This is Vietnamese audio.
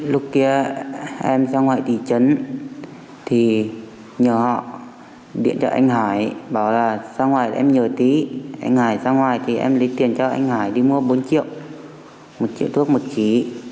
lúc kia em ra ngoài thị trấn thì nhờ họ điện cho anh hải bảo là ra ngoài em nhờ tý anh hải ra ngoài thì em lấy tiền cho anh hải đi mua bốn triệu một triệu thuốc một trí